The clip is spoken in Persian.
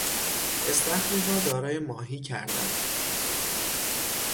استخری را دارای ماهی کردن